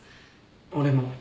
俺も。